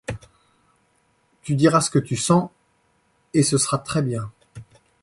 Tu diras ce que tu sens, et ce sera très bien.